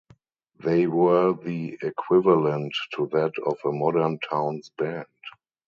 They were the equivalent to that of a modern town's band.